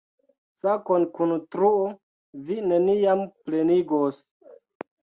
Sakon kun truo vi neniam plenigos.